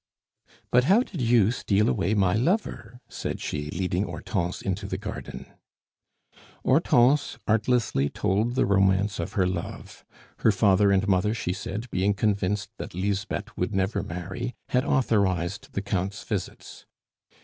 "But how did you steal away my lover?" said she, leading Hortense into the garden. Hortense artlessly told the romance of her love. Her father and mother, she said, being convinced that Lisbeth would never marry, had authorized the Count's visits.